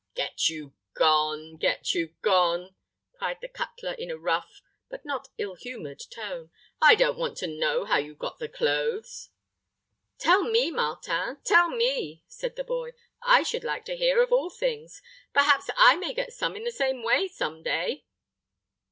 "Get you gone get you gone," cried the cutler, in a rough, but not ill humored tone. "I don't want to know how you got the clothes." "Tell me, Martin, tell me," said the boy; "I should like to hear, of all things. Perhaps I may get some in the same way, some day."